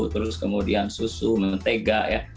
terus kemudian susu mentega ya